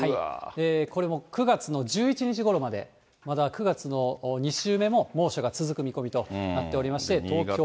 これも９月の１１日ごろまで、まだ９月の２週目も猛暑が続く見込みとなっておりまして、東京も。